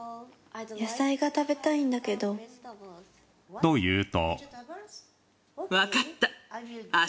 ・と言うと・